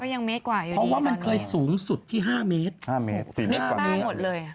เพราะว่ามันเคยสูงสุดที่๕เมตร